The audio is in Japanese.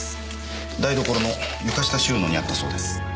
台所の床下収納にあったそうです。